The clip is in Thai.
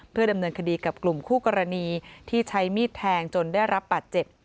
เพื่อดำเนินคดีกับกลุ่มคู่กรณีที่ใช้มีดแทงจนได้รับบาดเจ็บ